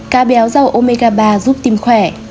một cá béo giàu omega ba giúp tim khỏe